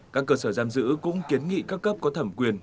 các cơ sở giam giữ cũng kiến nghị các cấp có thẩm quyền